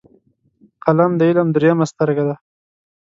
قلم د علم دریمه سترګه ده